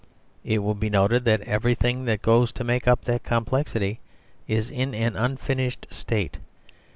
It will be noted that everything that goes to make up that complexity is in an unfinished state.